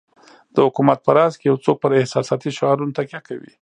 د حکومت په راس کې یو څوک پر احساساتي شعارونو تکیه کوي.